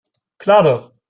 Klar doch.